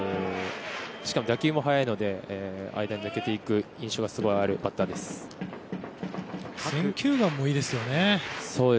しかも打球も速いので間に抜けていく選球眼もいいですよね。